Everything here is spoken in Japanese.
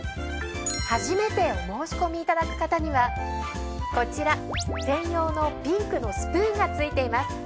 初めてお申し込みいただく方にはこちら専用のピンクのスプーンが付いています。